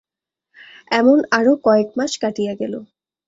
এমন আরো কয়েক মাস কাটিয়া গেল।